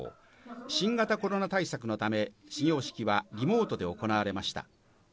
新型コロナ対策のため始業式はリモートで行われました。